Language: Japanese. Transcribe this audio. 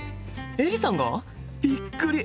エリさんが！？びっくり！